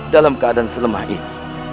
dalam keadaan selemah ini